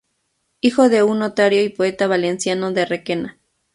Hijo de un notario y poeta valenciano de Requena.